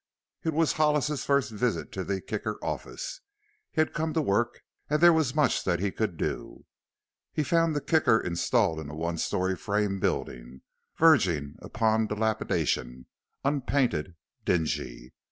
It was Hollis's first visit to the Kicker office; he had come to work and there was much that he could do. He had found the Kicker installed in a one story frame building, verging upon dilapidation, unpainted, dingy.